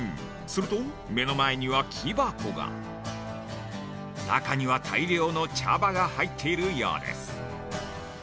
すると目の前には木箱が中には大量の茶葉が入っているようです。